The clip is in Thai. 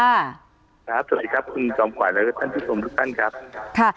สวัสดีครับคุณจอมขวายและท่านพิธรมทุกท่านครับ